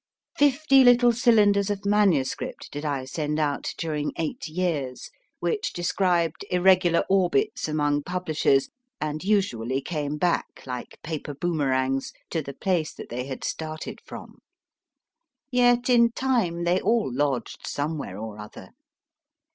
Fifty little cylinders of manuscript did I send out during eight years, which described io4 My FIRST BOOK irregular orbits among publishers, and usually came back like paper boomerangs to the place that they had started from. Yet in time they all lodged somewhere or other.